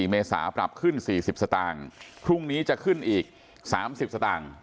๒๔เมษาปรับขึ้น๔๐สตพรุ่งนี้จะขึ้นอีก๓๐สต